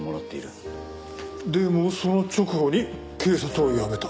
でもその直後に警察を辞めた。